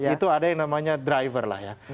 itu ada yang namanya driver lah ya